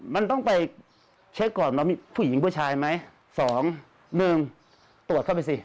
มันต้องไปเช็คก่อนว่ามีผู้หญิงผู้ชายไหม๒๑ตรวจเข้าไปสิ